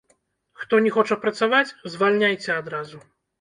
Хто не хоча працаваць, звальняйце адразу.